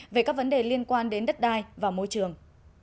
về các vấn đề liên quan đến đất đai và môi trường